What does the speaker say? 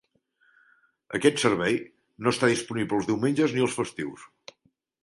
Aquest servei no està disponible els diumenges ni els festius.